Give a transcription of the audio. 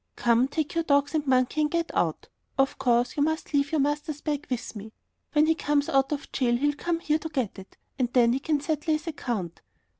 "Come, take your dogs and monkey and get out! Of course, you must leave your master's bag with me. When he comes out of jail, he'll come here to get it, and then he can settle his account."